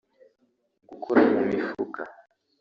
gukora mu mifuka